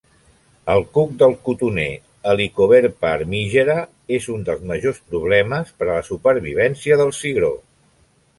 El cuc del cotoner "Helicoverpa armigera" és un dels majors problemes per a la supervivència del cigró.